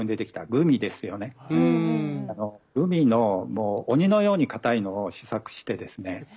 グミの鬼のようにかたいのを試作してですね